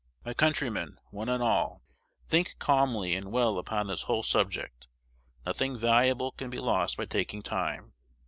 My countrymen, one and all, think calmly and well upon this whole subject. Nothing valuable can be lost by taking time.